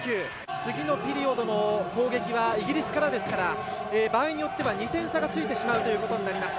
次のピリオドの攻撃はイギリスからですから場合によっては２点差がついてしまうということになります。